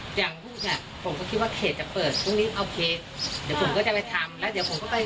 เขาบอกว่าต้องมีใดนับลองสำหรับคนที่บัตรหมดอายุ